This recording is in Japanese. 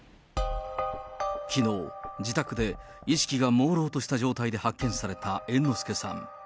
きのう、自宅で意識がもうろうとした状態で発見された猿之助さん。